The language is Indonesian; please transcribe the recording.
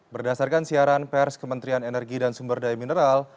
berdasarkan siaran pers kementerian energi dan sumber daya mineral